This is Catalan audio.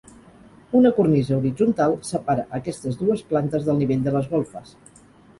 Una cornisa horitzontal separa aquestes dues plantes del nivell de les golfes.